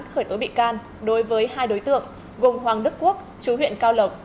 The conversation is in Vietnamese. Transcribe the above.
khởi tố bị can đối với hai đối tượng gồm hoàng đức quốc chú huyện cao lộc